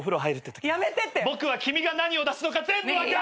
僕は君が何を出すのか全部分かる。